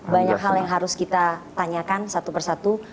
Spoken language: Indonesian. banyak hal yang harus kita tanyakan satu persatu